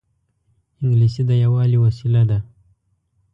انګلیسي د یووالي وسیله ده